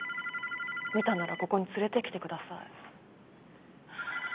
見たならここに連れてきてください。